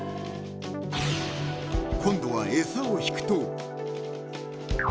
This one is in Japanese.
［今度は餌を引くと］